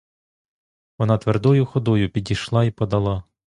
Вона твердою ходою підійшла й подала.